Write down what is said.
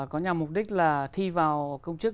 có nhằm mục đích là thi vào công chức